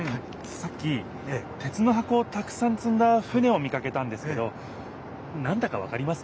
さっき鉄の箱をたくさんつんだ船を見かけたんですけどなんだかわかりますか？